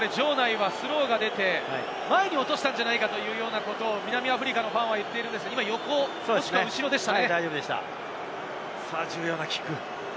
場内はスローが出て、前に落としたのではないかということを南アフリカのファンは言っているのですが、横、もしくは後ろでしたね。